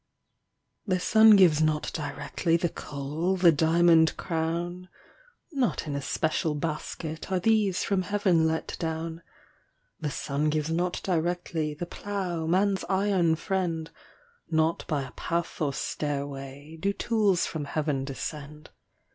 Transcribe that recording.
The sun gives not directly The coal, the diamond crown; Not in a special basket Are these from Heaven let down. The sun gives not directly The plough, man's iron friend; Not by a path or stairway Do tools from Heaven descend.